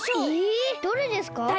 えどれですか？